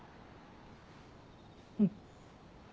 うん。